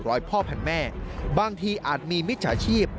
ร้อยพ่อพันแม่บางทีอาจมีมิจฉาชีพ